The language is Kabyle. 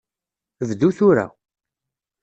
Bdu tura.